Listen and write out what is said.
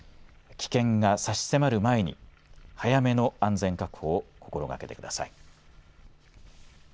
危険が差し迫る前に早めの安全確保を心がけてください。